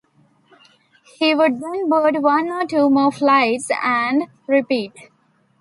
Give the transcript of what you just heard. He would then board one or two more flights and repeat.